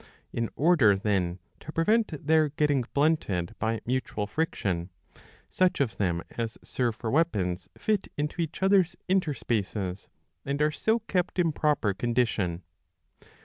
In order, then, to prevent their getting blunted by mutual friction, such of them as serve for weapons fit into each other's interspaces, and are so kept in proper condition.